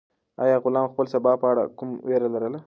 آیا غلام د خپل سبا په اړه کومه وېره لرله؟